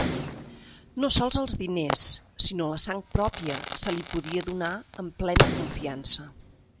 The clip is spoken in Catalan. No sols els diners, sinó la sang pròpia, se li podia donar amb plena confiança.